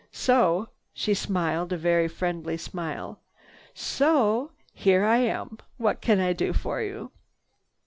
So—" she smiled a very friendly smile. "So—o here I am. What can I do for you?"